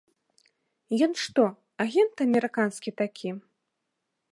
Ён што, агент амерыканскі такі?